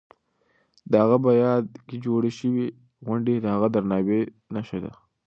د هغه په یاد کې جوړې شوې غونډې د هغه د درناوي نښه ده.